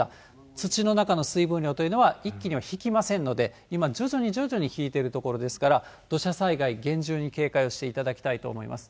土の中の水分量というのは、一気には引きませんので、今、徐々に引いてるところですから、土砂災害、厳重に警戒をしていただきたいと思います。